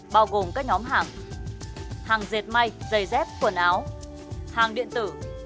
bao gồm các nhóm hàng hàng dệt may giày dép quần áo hàng điện tử